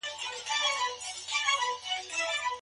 ولي بده غذا هغه ده چي ورتلونکي نه وربلل کېږي؟